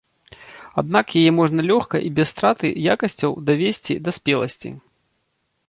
Аднак яе можна лёгка і без страты якасцяў давесці да спеласці.